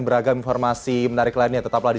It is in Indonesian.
beragam informasi menarik lainnya tetaplah di